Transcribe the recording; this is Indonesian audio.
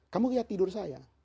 kamu lihat tidur saya